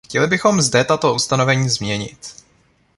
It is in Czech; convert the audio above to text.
Chtěli bychom zde tato ustanovení změnit.